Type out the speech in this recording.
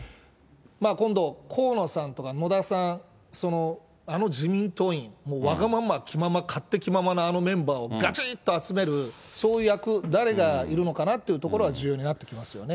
今度、河野さんとか野田さん、あの自民党員、もうわがまま、気まま、勝手気ままなあのメンバーをがちっと集める、そういう役、誰がいるのかなっていうところは重要になってきますよね。